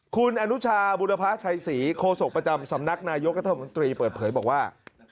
คุณอนุชาบุรพะชัยศรีโคศกประจำสำนักนายกรัฐมนตรีเปิดเผยบอกว่า